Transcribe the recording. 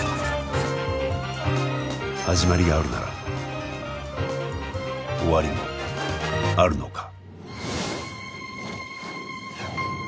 始まりがあるなら終わりもあるのか？